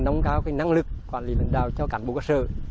đảm bảo năng lực quản lý lần đầu cho cảnh bộ cơ sở